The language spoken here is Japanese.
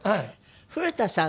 古田さん